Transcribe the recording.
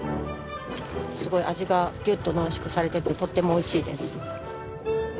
すごい味がギュッと濃縮されててとってもおいしいです。